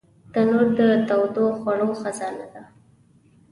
تنور د تودو خوړو خزانه ده